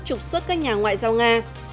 trục xuất các nhà ngoại giao nga